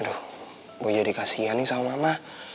aduh boy jadi kasihan nih sama mama